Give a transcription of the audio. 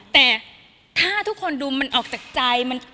แต่ถ้าทุกคนดูมันออกจากใจ